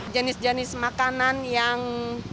jenis jenis makanan yang